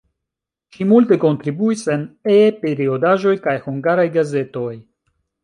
Ŝi multe kontribuis en E-periodaĵoj kaj hungaraj gazetoj.